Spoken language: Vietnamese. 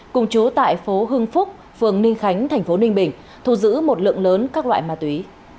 cùng chú tại phố hương phúc phường ninh khánh tp ninh bình thu giữ một lượng lớn các loại ma túy